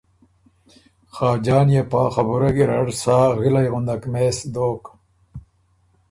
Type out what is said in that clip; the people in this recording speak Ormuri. خاجان يې پا خبُره ګیرډ سا غِلئ غُندک مېس دوک